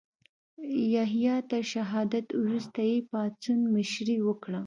یحیی تر شهادت وروسته یې پاڅون مشري وکړه.